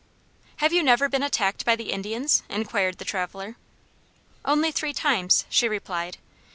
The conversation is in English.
"Have you never been attacked by the Indians?" inquired the traveler. "Only three times," she replied.